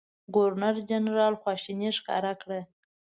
ګورنرجنرال خواشیني ښکاره کړه.